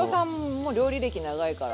もう料理歴長いから。